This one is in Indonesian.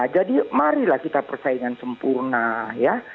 jadi marilah kita persaingan sempurna ya